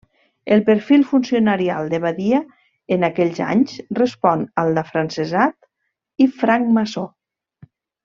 El perfil funcionarial de Badia en aquells anys respon al d'afrancesat i francmaçó.